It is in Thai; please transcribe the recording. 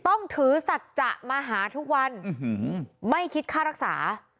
ต้องถือสัจจะมาหาทุกวันไม่คิดค่ารักษา